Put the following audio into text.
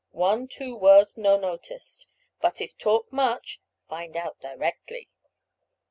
One, two words no noticed, but if talk much find out directly."